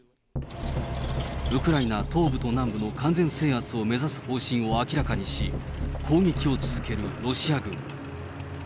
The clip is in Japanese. ウクライナ東部と南部の完全制圧を目指す方針を明らかにし、攻撃を続けるロシア軍。